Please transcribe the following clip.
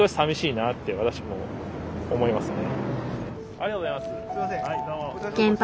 ありがとうございます。